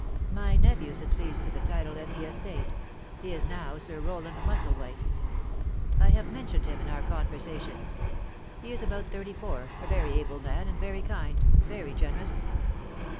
"My nephew succeeds to the title and the estate; he is now Sir Roland Musselwhite. I have mentioned him in our conversations. He is about thirty four, a very able man, and very kind, very generous."